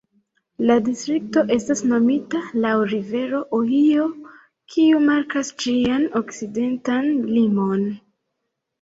La distrikto estas nomita laŭ rivero Ohio, kiu markas ĝian okcidentan limon.